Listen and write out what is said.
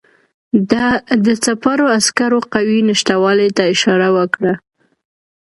ده د سپرو عسکرو قوې نشتوالي ته اشاره وکړه.